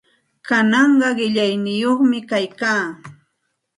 Kananqa qillayniyuqmi kaykaa.